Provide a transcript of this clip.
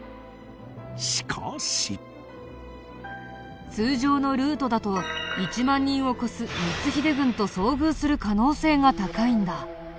しかし通常のルートだと１万人を超す光秀軍と遭遇する可能性が高いんだ。